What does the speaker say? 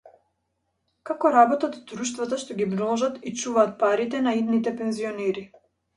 Како работат друштвата што ги множат и чуваат парите на идните пензионери